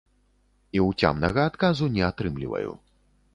І ўцямнага адказу не атрымліваю.